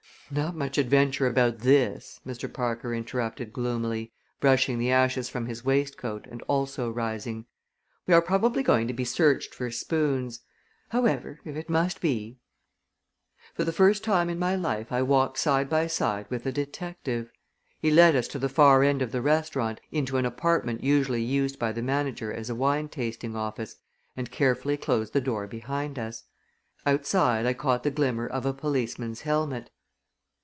"Not much adventure about this," Mr. Parker interrupted gloomily, brushing the ashes from his waistcoat and also rising. "We are probably going to be searched for spoons. However if it must be " For the first time in my life I walked side by side with a detective. He led us to the far end of the restaurant, into an apartment usually used by the manager as a wine tasting office, and carefully closed the door behind us. Outside I caught the glimmer of a policeman's helmet.